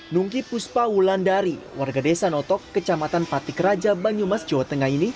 nungki puspa wulandari warga desa notok kecamatan patik raja banyumas jawa tengah ini